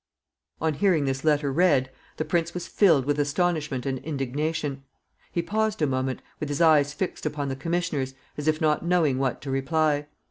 On hearing this letter read, the prince was filled with astonishment and indignation. He paused a moment, with his eyes fixed upon the commissioners, as if not knowing what to reply.